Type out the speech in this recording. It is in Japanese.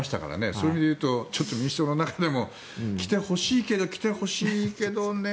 そういう意味で言うと民主党の中でも来てほしいけど来てほしいけどね